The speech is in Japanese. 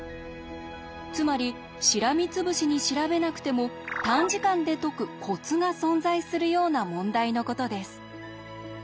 つまりしらみつぶしに調べなくても短時間で解くコツが存在するような問題のことです。